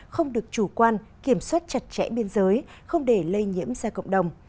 không được chủ quan kiểm soát chặt chẽ biên giới không để lây nhiễm ra cộng đồng